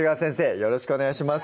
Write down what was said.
よろしくお願いします